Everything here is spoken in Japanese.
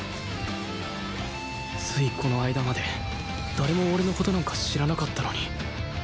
ついこの間まで誰も俺の事なんか知らなかったのに